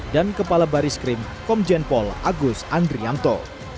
dan kepala baris kirim komjen pol agus andrianto